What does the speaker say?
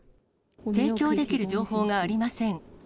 提供できる情報がありません。